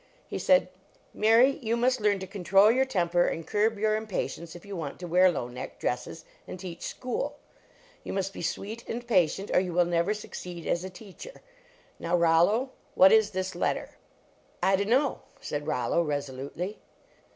He said : "Mary, you must learn to control your temper and curb your impatience if you want to wear low neck dresses, and teach school. You must be sweet and patient, or you will never succeed as a teacher. Now, Rollo, what is this letter? " "I dunno," said Rollo, resolutely.